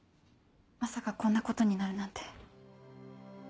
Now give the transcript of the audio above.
まさかこんなことになるなんて。